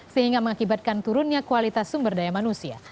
sehingga mengakibatkan turunnya kualitas sumber daya manusia